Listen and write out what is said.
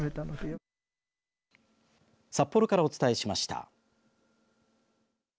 札幌からお伝えしました。